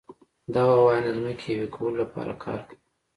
دغه غوایان د ځمکې یوې کولو لپاره کار کوي.